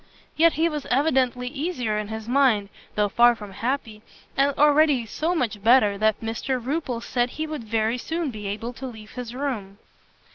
Yet he was evidently easier in his mind, though far from happy, and already so much better, that Mr Rupil said he would very soon be able to leave his room.